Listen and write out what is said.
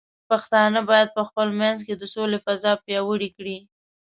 پښتانه بايد په خپل منځ کې د سولې فضاء پیاوړې کړي.